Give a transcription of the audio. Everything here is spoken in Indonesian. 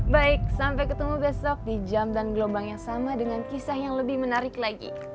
baik sampai ketemu besok di jam dan gelombang yang sama dengan kisah yang lebih menarik lagi